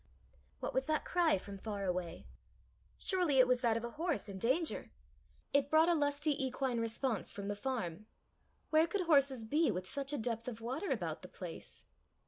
What was that cry from far away? Surely it was that of a horse in danger! It brought a lusty equine response from the farm. Where could horses be with such a depth of water about the place?